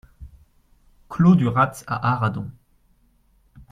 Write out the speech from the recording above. Clos du Ratz à Arradon